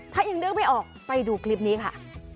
ถ้ายังนึกไม่ออกไปดูคลิปนี้ค่ะ